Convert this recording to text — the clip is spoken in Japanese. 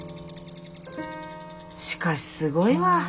しかしすごいわ。